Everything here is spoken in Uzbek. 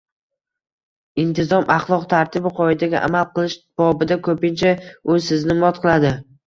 Intizom, axloq, tartibu qoidaga amal qilish bobida… ko‘pincha u sizni mot qiladi